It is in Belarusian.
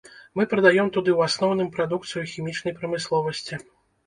Мы прадаём туды ў асноўным прадукцыю хімічнай прамысловасці.